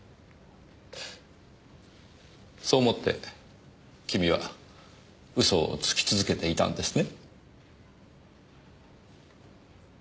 そう思って君は嘘をつき続けていたんですね？